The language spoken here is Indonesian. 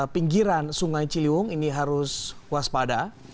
pinggiran sungai ciliwung ini harus waspada